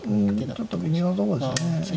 ちょっと微妙なとこですかね。